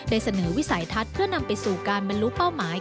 เสนอวิสัยทัศน์เพื่อนำไปสู่การบรรลุเป้าหมาย